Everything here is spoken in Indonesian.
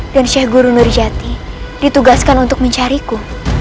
dan syekh guru nurijati ditugaskan untuk mencariku